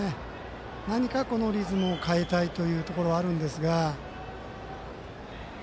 何かリズムを変えたいというところはあるんですが。